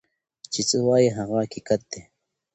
څه چی وای هغه حقیقت دی.